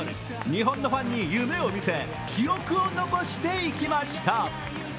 日本のファンに夢を見せ記憶を残していきました。